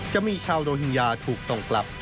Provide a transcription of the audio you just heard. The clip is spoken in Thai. จะมีชาวโรฮิงญาถูกส่งกลับ